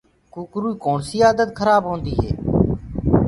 ڪوڪروئي ڪوڻسي آدت خرآب هوندي هي